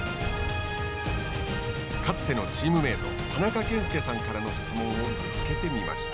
かつてのチームメート田中賢介さんからの質問をぶつけてみました。